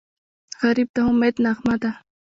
غریب د امید نغمه ده